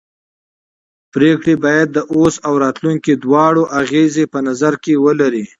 پرېکړې باید د اوس او راتلونکي دواړو اغېزې په نظر کې ولري